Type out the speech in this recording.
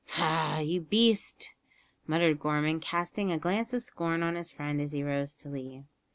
"Bah! you beast," muttered Gorman, casting a glance of scorn on his friend as he rose to leave.